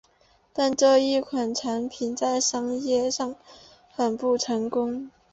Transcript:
但这一款产品在商业上很不成功。